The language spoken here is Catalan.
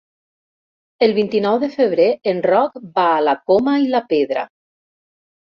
El vint-i-nou de febrer en Roc va a la Coma i la Pedra.